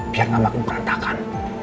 biar gak makin perantakan